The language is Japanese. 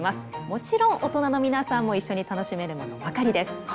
もちろん大人の皆さんも一緒に楽しめるものばかりです。